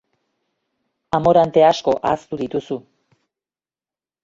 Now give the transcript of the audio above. Amorante asko ahaztu dituzu.